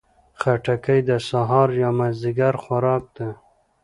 خټکی د سهار یا مازدیګر خوراک ده.